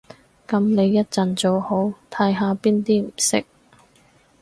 噉你一陣做好，睇下邊啲唔識